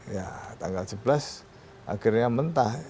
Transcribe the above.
ya tanggal sebelas akhirnya mentah